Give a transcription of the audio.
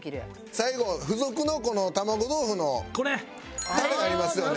最後付属のこの玉子豆腐のタレありますよね？